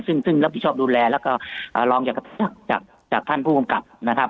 ซึ่งรับผิดชอบดูแลแล้วก็รองจากท่านผู้กำกับนะครับ